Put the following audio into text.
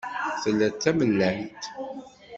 Tella d tamellalt.